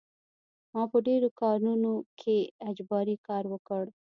ما په ډېرو کانونو کې اجباري کار وکړ